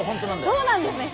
そうなんですね。